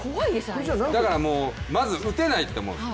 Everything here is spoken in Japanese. だからもうまず打てないって思うんです。